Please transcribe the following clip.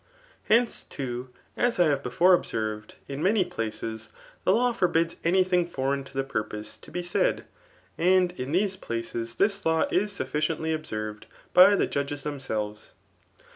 Hence, too, as I have before observed, in many plaoast iltit law forbids any thiz»g foreign to the purpose to be said ^ an4 in these places this law is sufficiently Qbsenre4 by the judges xhemselves.